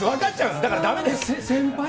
だからだめです。